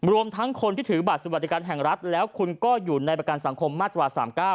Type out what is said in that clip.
รวมทั้งคนที่ถือบัตรสวัสดิการแห่งรัฐแล้วคุณก็อยู่ในประกันสังคมมาตรา๓๙